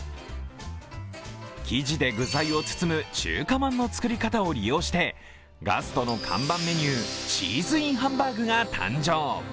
生地で具材を包む中華まんの作り方を利用してガストの看板メニュー、チーズＩＮハンバーグが誕生。